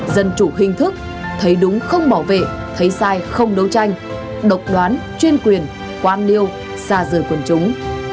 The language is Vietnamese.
dân chủ hình thức thấy đúng không bảo vệ thấy sai không đấu tranh độc đoán chuyên quyền quan liêu xa rời quần chúng